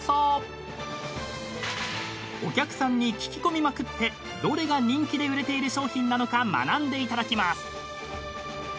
［お客さんに聞き込みまくってどれが人気で売れている商品なのか学んでいただきます］